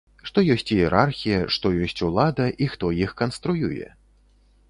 Што ёсць іерархія, што ёсць улада і хто іх канструюе?